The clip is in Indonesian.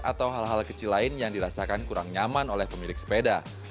atau hal hal kecil lain yang dirasakan kurang nyaman oleh pemilik sepeda